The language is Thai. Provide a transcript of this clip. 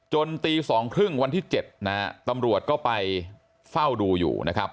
ตี๒๓๐วันที่๗นะฮะตำรวจก็ไปเฝ้าดูอยู่นะครับ